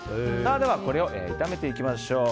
これを炒めていきましょう。